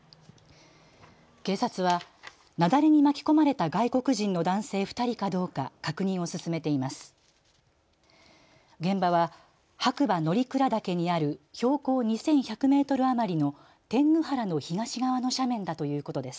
警察は雪崩に巻き込まれた外国人の男性２人かどうか確認を進めています。